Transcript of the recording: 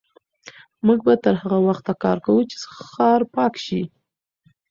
موږ به تر هغه وخته کار کوو چې ښار پاک شي.